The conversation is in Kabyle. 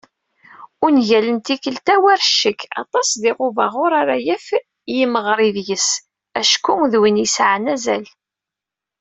Ungal n tikkelt-a, war ccek, aṭas diɣ n ubaɣur ara yaf yimeɣri deg-s, acku d win yesɛan azal.